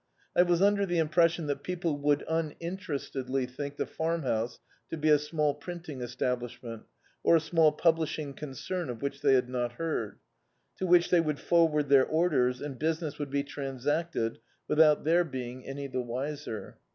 I was under the impression that people would uninterestedly think the Farm house to be a small printing establishment, or a small publishing concern of which they had not heard; to which they would forward their orders, and business would be transacted without their being any the wiser.